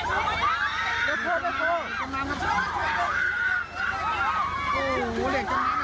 โอ้เด็กก็จะจมน้้ำหน่อยครับโอ้เด็กจมน้้ำครับ